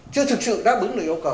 chưa thực sự đáp ứng được yêu cầu